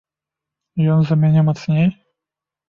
Ён за мяне мацней?